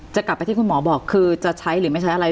จะกลับไปที่คุณหมอบอกคือจะใช้หรือไม่ใช้อะไร